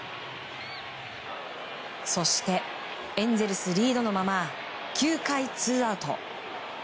そしてエンゼルスリードのまま９回ツーアウト。